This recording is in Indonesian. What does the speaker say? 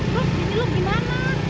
luk bini luk gimana